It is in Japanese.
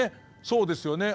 そうですよね。